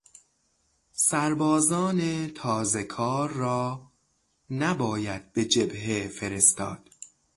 سربازان تازهکار را نباید به جبهه فرستاد.